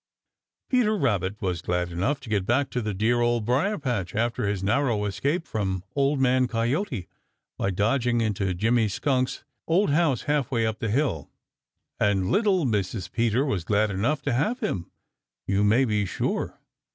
Peter Rabbit was glad enough to get back to the dear Old Briar patch after his narrow escape from Old Man Coyote by dodging into Jimmy Skunk's old house halfway up the hill. And little Mrs. Peter was glad enough to have him, you may be sure.